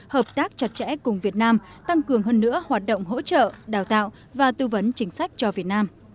hợp tác chặt chẽ cùng việt nam tăng cường hơn nữa hoạt động hỗ trợ đào tạo và tư vấn chính sách cho việt nam